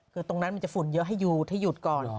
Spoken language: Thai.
คือตรงนั้นมันจะฝุ่นเยอะให้ยูให้หยุดก่อน